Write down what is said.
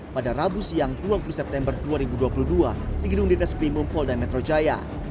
pada rabu siang dua puluh september dua ribu dua puluh dua di gedung dites primum polda metro jaya